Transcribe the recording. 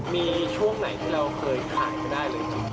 มีช่วงไหนที่เราเคยขายได้เลยครับ